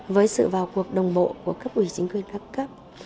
với sự vào cuộc đồng bộ của cấp ủy chính quyền các cấp